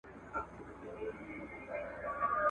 د بادار تر چړې لاندي یې انجام وي ,